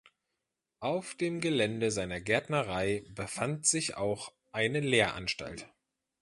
Auf dem Gelände seiner Gärtnerei befand sich auch eine Lehranstalt.